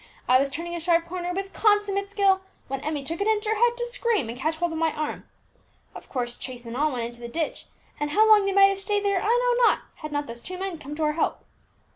I was turning a sharp corner with consummate skill, when Emmie took it into her head to scream and catch hold of my arm. Of course, chaise and all went into the ditch, and how long they might have stayed there I know not, had not those two men come to our help."